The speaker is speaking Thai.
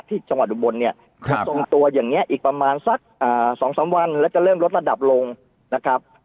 ที่จังหวัดดุบนเนี้ยครับตรงตัวอย่างเงี้ยอีกประมาณสักอ่าสองสามวันแล้วจะเริ่มลดระดับลงนะครับ